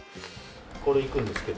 これいくんですけど。